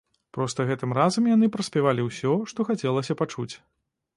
Проста гэтым разам яны праспявалі ўсё, што хацелася пачуць.